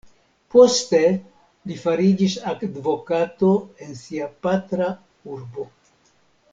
Poste li fariĝis advokato en sia patra urbo.